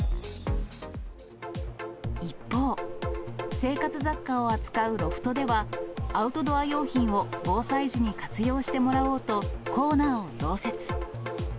一方、生活雑貨を扱うロフトでは、アウトドア用品を防災時に活用してもらおうと、コーナーを増設。